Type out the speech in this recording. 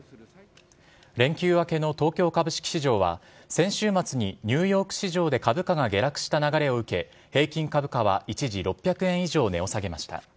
連休明けの東京株式市場は、先週末にニューヨーク市場で株価が下落した流れを受け、平均株価は一時６００円以上値を下げました。